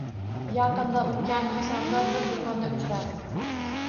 Yaqinda ulkan, hashamdor bir do‘konda uchradi.